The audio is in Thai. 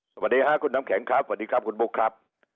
สวัสดีค่ะคุณน้ำแข็งครับสวัสดีครับคุณบุ๊คครับ